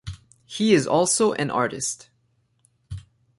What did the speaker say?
He is also an artist.